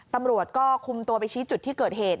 ตำรวจก็คุมตัวไปชี้จุดที่เกิดเหตุ